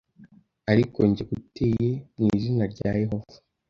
ariko jye nguteye mu izina rya Yehova